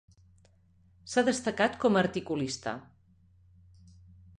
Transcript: S'ha destacat com articulista.